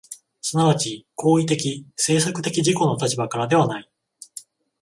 即ち行為的・制作的自己の立場からではない。